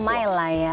damai lah ya